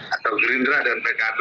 atau gerindra dan pkb